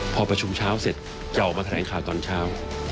พอประชุมเช้าเสร็จจะออกมาแถลงข่าวตอนเช้า